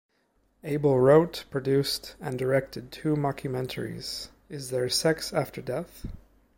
Abel wrote, produced, and directed two mockumentaries - Is There Sex After Death?